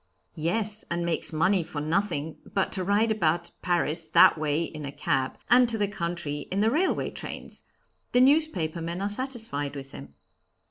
"Yes, and makes money for nothing but to ride about Paris that way in a cab, and to the country in the railway trains. The newspaper men are satisfied with him."